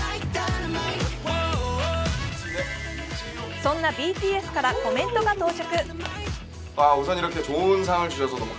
そんなＢＴＳからコメントが到着。